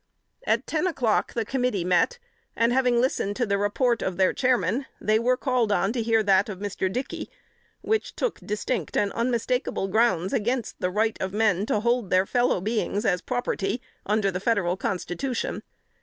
At ten o'clock the committee met, and, having listened to the report of their Chairman, they were called on to hear that of Mr. Dickey, which took distinct and unmistakable grounds against the right of men to hold their fellow beings as property, under the Federal Constitution.